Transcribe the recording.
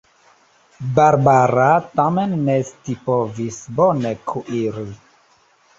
Barbara tamen ne scipovis bone kuiri.